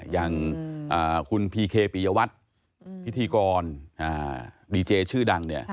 อย่างคุณพีเคปียวัตรพิธีกรดีเจชื่อดังเนี่ย